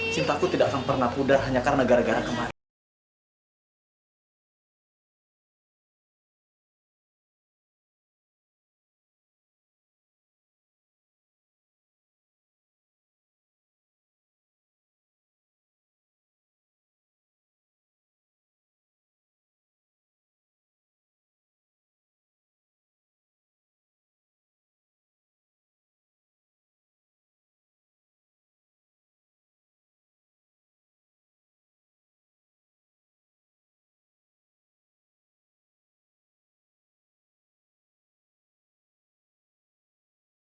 cintaku tidak akan pernah pudar hanya karena gara gara kemarin